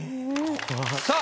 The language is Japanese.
さあ。